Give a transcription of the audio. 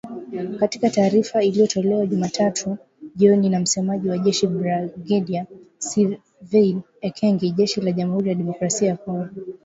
Katika taarifa iliyotolewa Jumatatu jioni na msemaji wa jeshi Brigedia Sylvain Ekenge jeshi la Jamuhuri ya Demokrasia ya Kongo